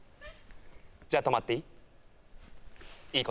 じゃあ泊まっていい？